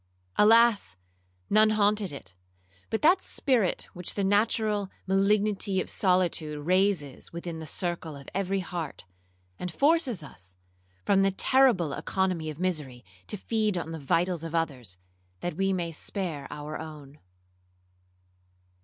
Alas! none haunted it, but that spirit which the natural malignity of solitude raises within the circle of every heart, and forces us, from the terrible economy of misery, to feed on the vitals of others, that we may spare our own.